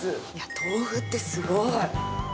豆腐ってすごい。